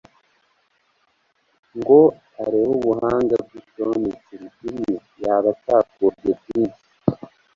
ngo arebe ubuhanga bw'itondeke ripimye, yaba atakobwe byinshi.